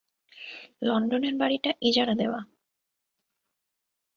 লন্ডনের বাড়িটা ইজারা দেওয়া!